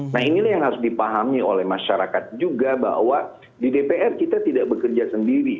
nah inilah yang harus dipahami oleh masyarakat juga bahwa di dpr kita tidak bekerja sendiri